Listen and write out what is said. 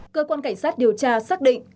cơ quan cảnh sát điều tra xác định